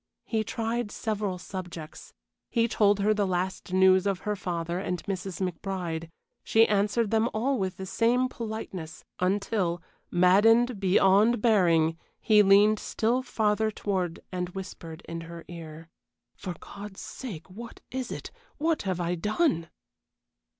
He tried several subjects. He told her the last news of her father and Mrs. McBride. She answered them all with the same politeness, until, maddened beyond bearing, he leaned still farther forward and whispered in her ear: "For God's sake, what is it? What have I done?"